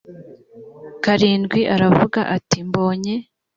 karindwi aravuga ati mbonye